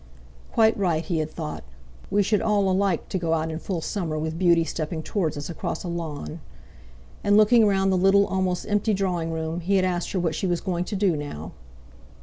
"Quite right!" he had thought. "We should all like to go out in full summer with beauty stepping towards us across a lawn." And looking round the little, almost empty drawing room, he had asked her what she was going to do now.